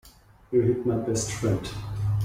You hit my best friend.